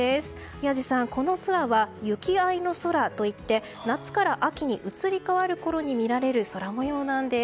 宮司さん、この空は行き合いの空といって夏から秋に移り変わるころに見られる、空模様なんです。